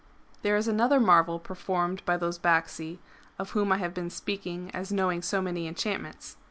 '' There is another marvel performed by those Bacsi, of whom I have been speaking as knowing so many enchantments.